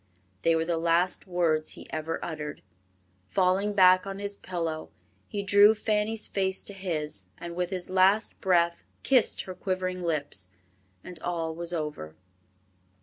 They were the last words he ever uttered. Falling back on his pillow, he drew Fanny's face to his, and with his last breath kissed her quivering lips, and all was over.